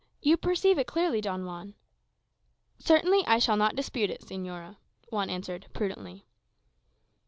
You perceive it clearly, Don Juan?" "Certainly I shall not dispute it, señora," Juan answered, prudently.